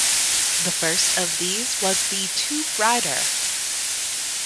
The first of these was the 'Tube Rider'.